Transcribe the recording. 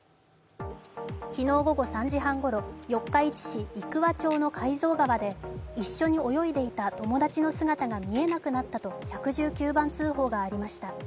昨日午後３時半ごろ、四日市市生桑町の海蔵川で一緒に泳いでいた友達の姿が見えなくなったと１１９番通報がありました。